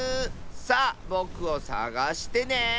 さあぼくをさがしてねえ！